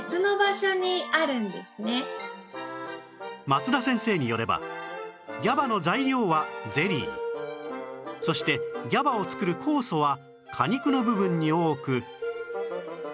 松田先生によれば ＧＡＢＡ の材料はゼリーそして ＧＡＢＡ を作る酵素は果肉の部分に多く